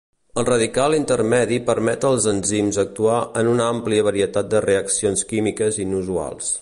El radical intermedi permet als enzims actuar en una àmplia varietat de reaccions químiques inusuals.